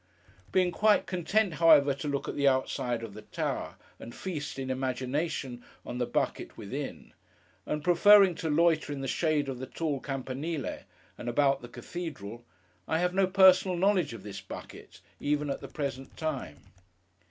Being quite content, however, to look at the outside of the tower, and feast, in imagination, on the bucket within; and preferring to loiter in the shade of the tall Campanile, and about the cathedral; I have no personal knowledge of this bucket, even at the present time.